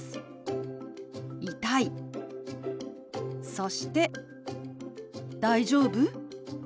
そして「大丈夫？」。